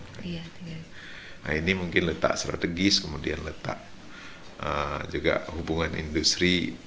nah ini mungkin letak strategis kemudian letak juga hubungan industri